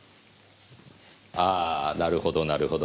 ああなるほどなるほど。